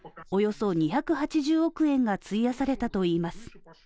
およそ２８０億円が費やされたといいます。